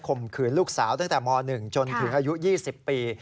มขืนลูกสาวตั้งแต่ม๑จนถึงอายุ๒๐ปี